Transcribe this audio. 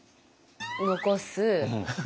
残す。